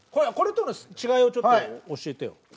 これとの違いをちょっと教えてよ。